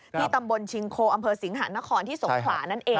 ตำบลชิงโคอำเภอสิงหานครที่สงขลานั่นเอง